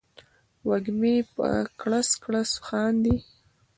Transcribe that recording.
وږمې په کړس، کړس خاندي